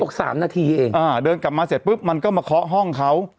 สามนาทีเองอ่าเดินกลับมาเสร็จปุ๊บมันก็มาเคาะห้องเขา